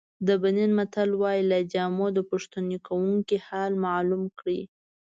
د بنین متل وایي له جامو د پوښتنه کوونکي حال معلوم کړئ.